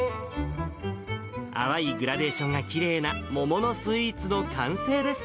淡いグラデーションがきれいな、桃のスイーツの完成です。